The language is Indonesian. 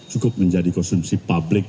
cukup menjadi konsumsi publik